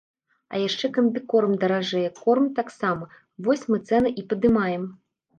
А яшчэ камбікорм даражэе, корм таксама, вось мы цэны і падымаем.